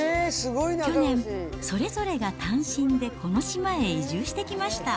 去年、それぞれが単身でこの島へ移住してきました。